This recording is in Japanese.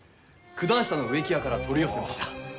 九段下の植木屋から取り寄せました。